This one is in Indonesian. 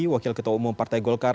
wakil ketua umum partai golkar